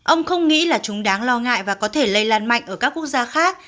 ông không nghĩ là chúng đáng lo ngại và có thể lây lan mạnh ở các quốc gia khác